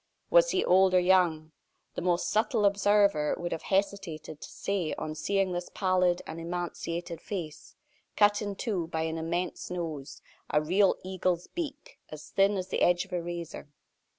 Was he old or young? The most subtle observer would have hesitated to say on seeing this pallid and emaciated face, cut in two by an immense nose a real eagle's beak as thin as the edge of a razor.